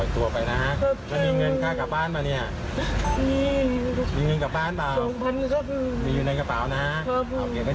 ทางด้านของท่านนะครับ